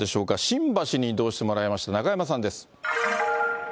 新橋に移動してもらいました、中山さんです。